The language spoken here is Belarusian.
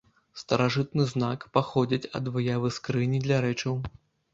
Старажытны знак паходзіць ад выявы скрыні для рэчаў.